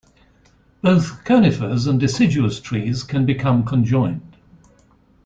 Both conifers and deciduous trees can become conjoined.